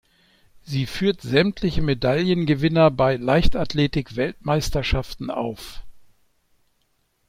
Sie führt sämtliche Medaillengewinner bei Leichtathletik-Weltmeisterschaften auf.